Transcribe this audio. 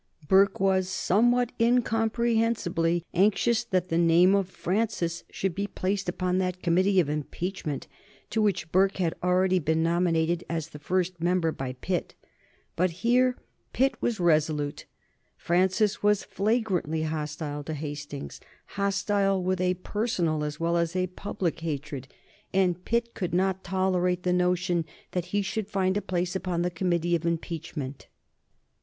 Burke was, somewhat incomprehensibly, anxious that the name of Francis should be placed upon that Committee of Impeachment to which Burke had already been nominated as the first member by Pitt. But here Pitt was resolute. Francis was flagrantly hostile to Hastings, hostile with a personal as well as a public hatred, and Pitt could not tolerate the notion that he should find a place upon the Committee of Impeachment.